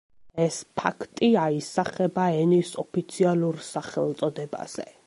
ეს ფაქტი აისახება ენის ოფიციალურ სახელწოდებაზე.